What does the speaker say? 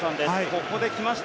ここで来ました。